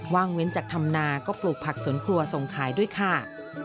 ว่างเว้นจากธรรมนาก็ปลูกผักสวนครัวส่งขายด้วยค่ะ